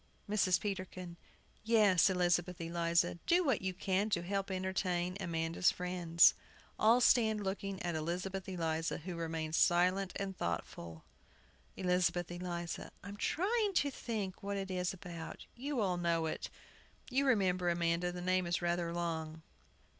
MRS. PETERKIN. Yes, Elizabeth Eliza, do what you can to help entertain Amanda's friends. [All stand looking at ELIZABETH ELIZA, who remains silent and thoughtful. ] ELIZABETH ELIZA. I'm trying to think what it is about. You all know it. You remember, Amanda, the name is rather long.